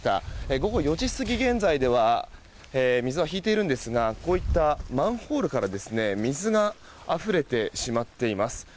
午後４時過ぎ現在では水は引いているんですがこういったマンホールから水があふれてしまっています。